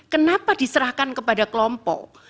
kenapa diserahkan kepada kelompok